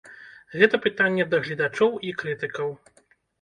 Гэта пытанне да гледачоў і крытыкаў.